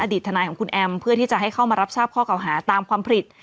ทนายของคุณแอมเพื่อที่จะให้เข้ามารับทราบข้อเก่าหาตามความผิด